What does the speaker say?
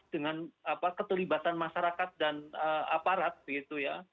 dengan keterlibatan masyarakat dan aparat begitu ya